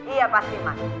iya pasti mak